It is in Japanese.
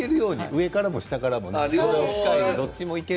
上からも下からも。